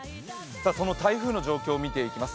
その台風の状況を見ていきます